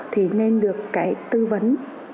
thì nên được cái tư vấn